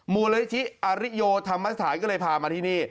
มูลนิธิอริโยธรรมสถานก็เลยพามาที่นี่